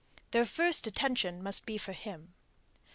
Their first attention must be for him.